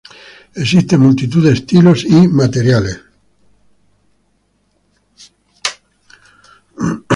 Existen multitud de estilos y materiales.